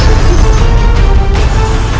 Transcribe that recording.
bagaimana kalau lu bukannya